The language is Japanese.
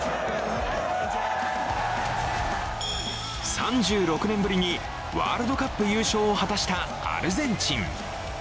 ３６年ぶりにワールドカップ優勝を果たしたアルゼンチン。